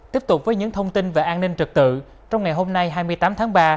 tiếp tục với những thông tin về an ninh trật tự trong ngày hôm nay hai mươi tám tháng ba